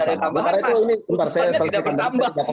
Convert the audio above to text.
tidak ada tambahan mas putusannya tidak bertambah